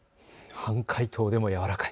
半解凍でもやわらかい。